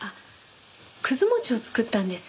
葛餅を作ったんです。